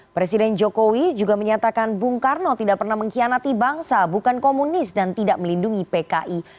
presiden jokowi juga menyatakan bung karno tidak pernah mengkhianati bangsa bukan komunis dan tidak melindungi pki